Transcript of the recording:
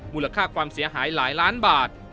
มูลค่าความเสียหายหลายล้านบาท